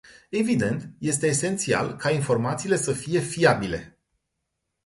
Evident, este esențial ca informațiile să fie fiabile.